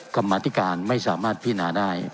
กรรมธิการไม่สามารถพินาได้